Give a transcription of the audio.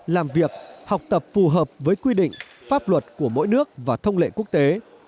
làm việc học tập phù hợp với quy định pháp luật của mỗi nước và thông lệ quốc tế